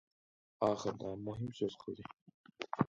ئاخىرىدا مۇھىم سۆز قىلدى.